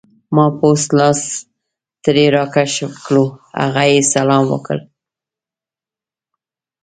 ما پوست لاس ترې راکش کړو، هغه یې سلام وکړ.